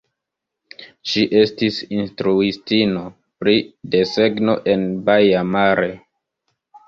Ŝi estis instruistino pri desegno en Baia Mare.